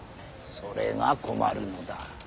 それが困るのだ。